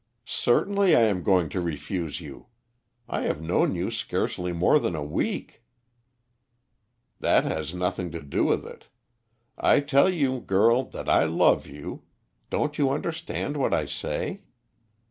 "Certainly I am going to refuse you. I have known you scarcely more than a week!" "That has nothing to do with it. I tell you, girl, that I love you. Don't you understand what I say?"